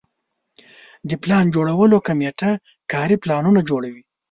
د پلان جوړولو کمیټه کاري پلانونه به جوړوي.